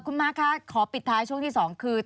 คุณม้าคะขอปิดท้ายช่วงที่๒คือ